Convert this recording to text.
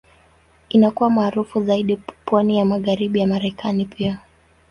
Inakuwa maarufu zaidi pwani ya Magharibi ya Marekani pia.